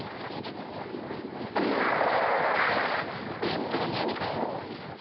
「勝ったら何買う？」っていう。